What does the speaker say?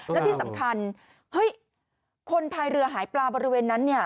และที่สำคัญเฮ้ยคนพายเรือหายปลาบริเวณนั้นเนี่ย